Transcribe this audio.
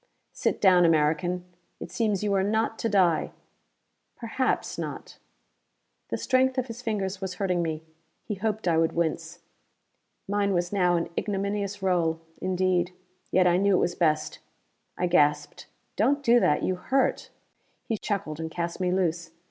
"Sit down, American! It seems you are not to die. Perhaps not." The strength of his fingers was hurting me: he hoped I would wince. Mine was now an ignominious role, indeed, yet I knew it was best. I gasped. "Don't do that: you hurt!" He chuckled and cast me loose.